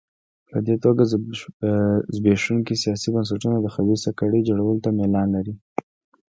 په دې توګه زبېښونکي سیاسي بنسټونه د خبیثه کړۍ جوړولو ته میلان لري.